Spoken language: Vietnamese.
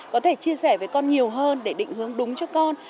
có thể chia sẻ với con nhiều hơn để định hướng đúng cho con